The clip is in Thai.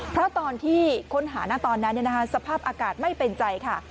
เพราะตอนที่ค้นหานะตอนนั้นสภาพอากาศไม่เป็นใจค่ะ